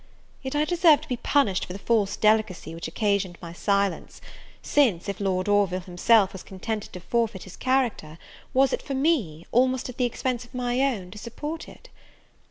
Yet I deserve to be punished for the false delicacy which occasioned my silence, since, if Lord Orville himself was contented to forfeit his character, was it for me, almost at the expense of my own, to support it?